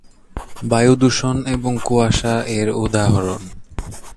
বায়ু দূষণ এবং কুয়াশা এর উদাহরণ।